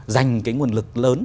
dành cái nguồn lực lớn